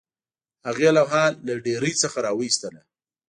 هغې لوحه له ډیرۍ څخه راویستله